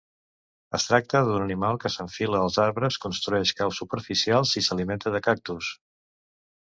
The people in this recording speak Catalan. Es tracta d'un animal que s'enfila als arbres, construeix caus superficials i s'alimenta de cactus.